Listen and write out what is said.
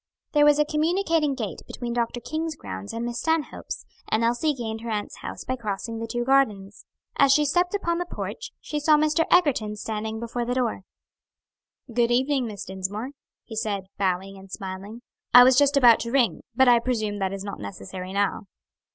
There was a communicating gate between Dr. King's grounds and Miss Stanhope's, and Elsie gained her aunt's house by crossing the two gardens. As she stepped upon the porch, she saw Mr. Egerton standing before the door. "Good evening, Miss Dinsmore," he said, bowing and smiling. "I was just about to ring; but I presume that is not necessary now."